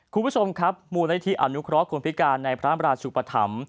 คุณผู้ชมครับมูลบลักษณฐ์ในพระราชชุปธรรม